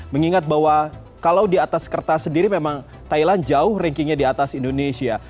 mengingat bahwa kalau di atas kertas sendiri memang thailand jauh rankingnya di atas indonesia